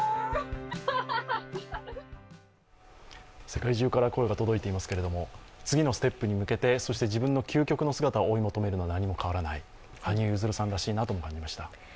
世界中から声が届いていますけれども、次のステップに向けて、そして自分の究極の姿を追い求めるのは何も変わらない、羽生結弦さんらしいなと思いました。